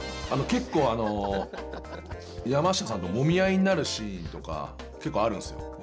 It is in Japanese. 結構、山下さんともみ合いになるシーンとかあるんですよ。